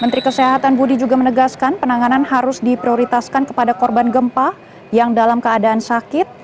menteri kesehatan budi juga menegaskan penanganan harus diprioritaskan kepada korban gempa yang dalam keadaan sakit